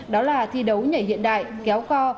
đó là thi đấu nhảy hiện đại kéo co